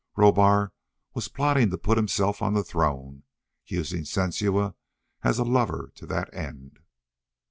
Rohbar was plotting to put himself on the throne, using Sensua as a lover to that end.